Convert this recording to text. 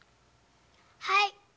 はい。